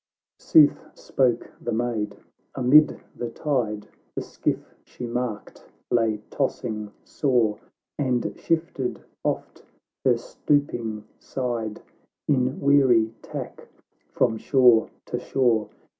— XIV Sooth spoke the Maid. — Amid the tide The skiff she marked lay tossing sore, And shifted oft her stooping side, In weary tack from shore to shore.